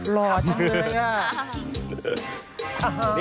รอดจังเลยอ่ะ